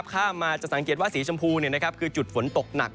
ข้ามมาจะสังเกตว่าสีชมพูคือจุดฝนตกหนัก